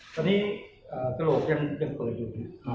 ตอนนี้กระโหลกยังเปิดอยู่